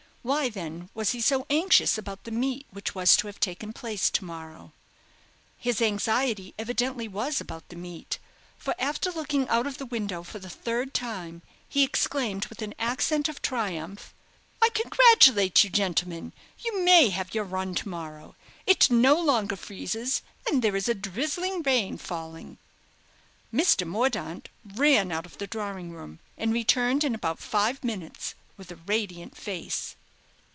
Why, then, was he so anxious about the meet which was to have taken place to morrow? His anxiety evidently was about the meet; for after looking out of the window for the third time, he exclaimed, with an accent of triumph "I congratulate you, gentlemen; you may have your run to morrow. It no longer freezes, and there is a drizzling rain falling." Mr. Mordaunt ran out of the drawing room, and returned in about five minutes with a radiant face.